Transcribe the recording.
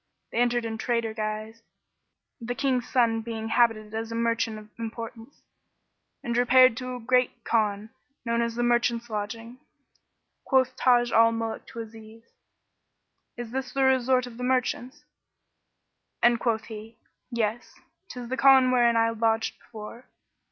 They entered in trader guise, the King's son being habited as a merchant of importance; and repaired to a great Khan, known as the Merchants' Lodging. Quoth Taj al Muluk to Aziz, "Is this the resort of the merchants?"; and quoth he, "Yes; 'tis the Khan wherein I lodged before."